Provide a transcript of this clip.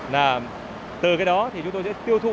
là từ cái đó thì chúng tôi sẽ tiêu thụ